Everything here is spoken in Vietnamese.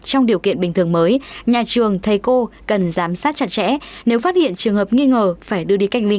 trong điều kiện bình thường mới nhà trường thầy cô cần giám sát chặt chẽ nếu phát hiện trường hợp nghi ngờ phải đưa đi cách ly